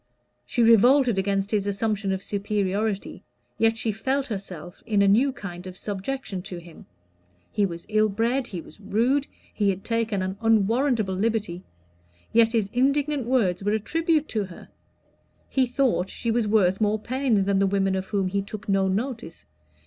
She revolted against his assumption of superiority, yet she felt herself in a new kind of subjection to him. He was ill bred, he was rude, he had taken an unwarrantable liberty; yet his indignant words were a tribute to her: he thought she was worth more pains than the women of whom he took no notice.